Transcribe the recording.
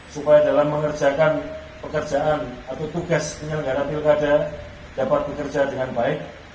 supaya dalam mengerjakan pekerjaan atau tugas penyelenggara pilkada dapat bekerja dengan baik